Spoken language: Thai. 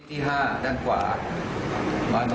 ที่ห้าด้านขวา